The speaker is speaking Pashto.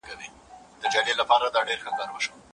مهمه ده چې وفادار پاتې شئ.